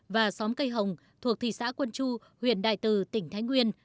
và xóm cây hồng thuộc thị xã quân chu huyện đại từ tỉnh thái nguyên